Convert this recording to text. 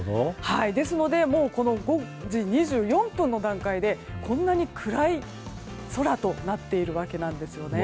ですのでもう５時２４分の段階でこんなに暗い空となっているわけなんですね。